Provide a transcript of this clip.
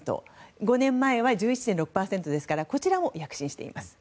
５年前は１１．６％ですからこちらも躍進しています。